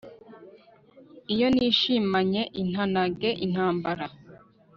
iyo nishimanye intanage intambara